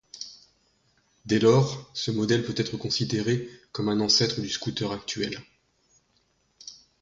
Dès lors, ce modèle peut être considéré comme un ancêtre du scooter actuel.